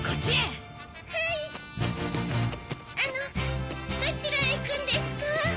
あのどちらへいくんですか？